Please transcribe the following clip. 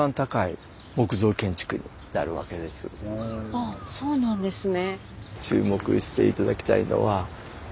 あっそうなんですね。